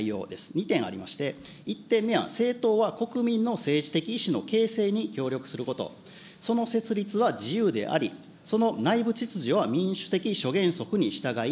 ２点ありまして、１点目は、政党は国民の政治的意思の形成に協力すること、その設立は自由であり、その内部秩序は、民主的諸原則に従い、